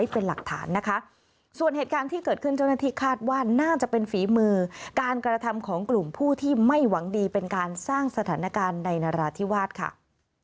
พูดที่ไม่หวังดีเป็นการสร้างสถานการณ์ในนราธิวาสครับ